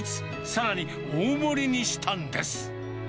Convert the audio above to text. さらに大盛りにしたんです。